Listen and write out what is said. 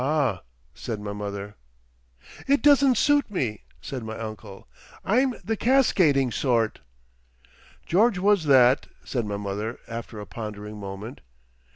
"Ah!" said my mother. "It doesn't suit me," said my uncle. "I'm the cascading sort." "George was that," said my mother after a pondering moment.